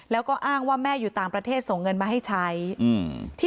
แล้วก็อ้างว่าแม่อยู่ต่างประเทศส่งเงินมาให้ใช้